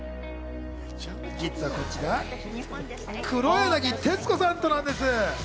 実はこちら黒柳徹子さんとなんです。